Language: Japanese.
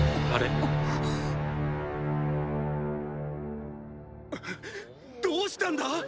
っ⁉どうしたんだ⁉